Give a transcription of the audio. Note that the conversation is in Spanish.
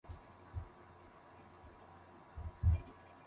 Esta información puede consistir en videos, textos, gráficos, fotos...